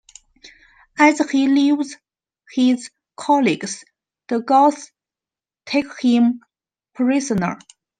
As he leaves his colleagues, the Goths take him prisoner.